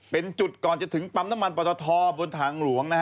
เป็นจุดก่อนจะถึงปั๊มน้ำมันปลาททอบบนทางหลวง